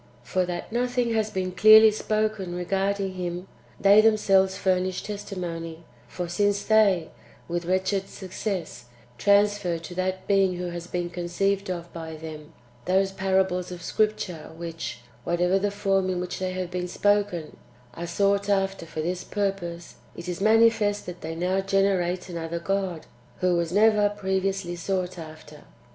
For that nothing has been clearly spoken regarding Him, they themselves furnish testimony; for since they, with wretched success, transfer to that Being who has been conceived of by them, those parables [of Scripture] which, whatever the form in which they have been spoken, are sought after [for this purpose], it is manifest that they now generate another [God], who was never previously sought after.